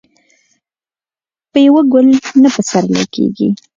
په يو ګل نه پسرلی کيږي.